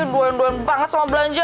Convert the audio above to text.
dua duaan banget sama belanja